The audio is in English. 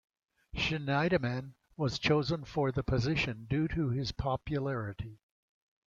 Scheidemann was chosen for the position due to his popularity.